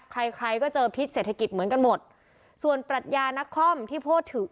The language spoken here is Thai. ใครใครก็เจอพิษเศรษฐกิจเหมือนกันหมดส่วนปรัชญานักคอมที่พูดถึง